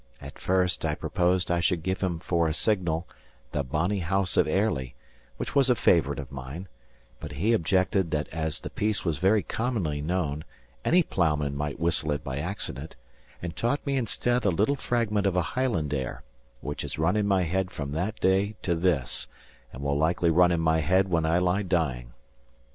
At first I proposed I should give him for a signal the "Bonnie House of Airlie," which was a favourite of mine; but he objected that as the piece was very commonly known, any ploughman might whistle it by accident; and taught me instead a little fragment of a Highland air, which has run in my head from that day to this, and will likely run in my head when I lie dying.